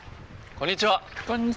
こんにちは。